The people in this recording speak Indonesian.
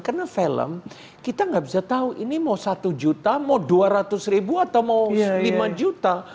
karena film kita gak bisa tahu ini mau satu juta mau dua ratus ribu atau mau lima juta